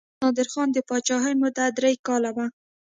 د محمد نادر خان د پاچاهۍ موده درې کاله وه.